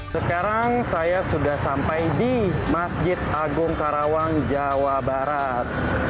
sekarang saya sudah sampai di masjid agung karawang jawa barat